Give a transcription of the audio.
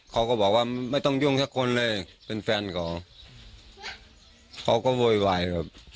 เขาก็บอกว่าไม่ต้องยุ่งสักคนเลยเป็นแฟนเขาเขาก็โวยวายแบบ